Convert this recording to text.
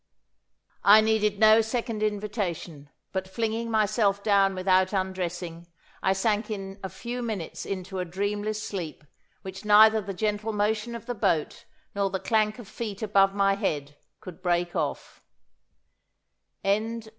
I needed no second invitation, but flinging myself down without undressing, I sank in a few minutes into a dreamless sleep, which neither the gentle motion of the boat nor the clank of feet above my head could break off.